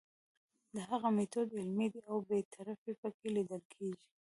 د هغه میتود علمي دی او بې طرفي پکې لیدل کیږي.